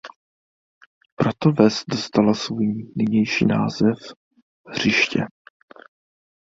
Proto ves dostala svůj nynější název „Hřiště“.